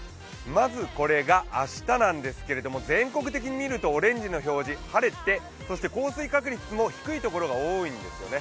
まずこれが明日なんですけれども、全国的に見ると、オレンジの表示、晴れて、降水確率も低いところが多いんですよね。